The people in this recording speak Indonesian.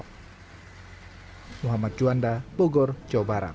hai muhammad juanda bogor jawa barat